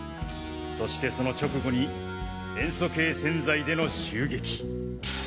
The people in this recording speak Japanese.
そしてその直後に塩素系洗剤での襲撃。